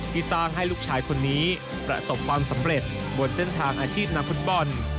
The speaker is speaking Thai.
ที่สร้างให้ลูกชายคนนี้ประสบความสำเร็จบนเส้นทางอาชีพนักฟุตบอล